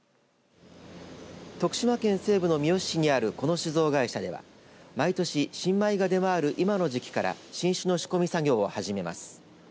徳島県西部の三好市にあるこの酒造会社では毎年、新米が出回る今の時期から新酒の仕込み作業を始めます。